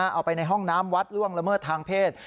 เอาไปในห้องน้ำวัดล่วงละเมิดทางเพศ